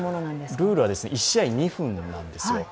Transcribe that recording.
ルールは１試合２分なんですよ。